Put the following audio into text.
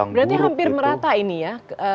berarti hampir merata ini ya